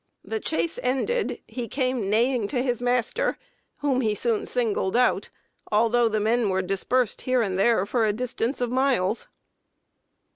The chase ended, he came neighing to his master, whom he soon singled out, although the men were dispersed here and there for a distance of miles."